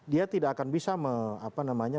dia tidak akan bisa apa namanya